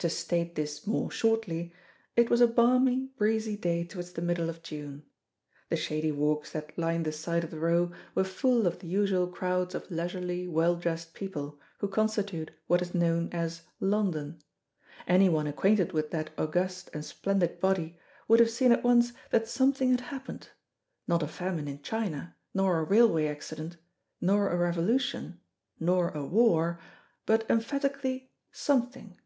To state this more shortly, it was a balmy, breezy day towards the middle of June. The shady walks that line the side of the Row were full of the usual crowds of leisurely, well dressed people who constitute what is known as London. Anyone acquainted with that august and splendid body would have seen at once that something had happened; not a famine in China, nor a railway accident, nor a revolution, nor a war, but emphatically "something."